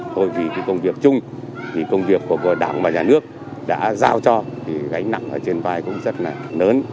thôi vì công việc chung công việc của đảng và nhà nước đã giao cho gánh nặng trên vai cũng rất là lớn